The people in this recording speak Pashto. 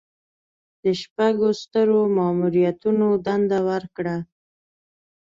د شپږو سترو ماموریتونو دنده ورکړه.